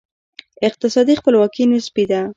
اقتصادي خپلواکي نسبي ده.